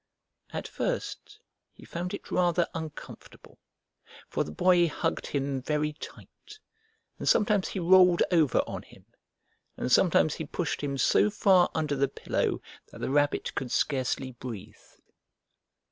At first he found it rather uncomfortable, for the Boy hugged him very tight, and sometimes he rolled over on him, and sometimes he pushed him so far under the pillow that the Rabbit could scarcely breathe.